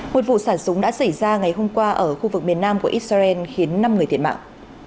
một vụ sản súng đã xảy ra ngày hôm qua ở khu vực miền nam của israel khiến năm người thiệt mạng